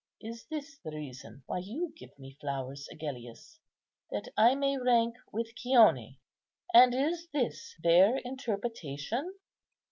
Is this the reason why you give me flowers, Agellius, that I may rank with Chione? and is this their interpretation?"